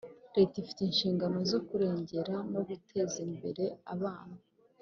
Leta ifite inshingano zo kurengera no guteza imbere abana